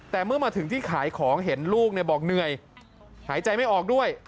แต่เมื่อมาถึงที่ขายของเห็นลูกบอกเหนื่อยหายใจไม่ออกด้วย